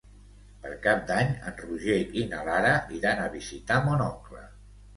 Per Cap d'Any en Roger i na Lara iran a visitar mon oncle.